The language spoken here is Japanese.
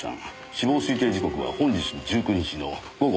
死亡推定時刻は本日１９日の午後６時です。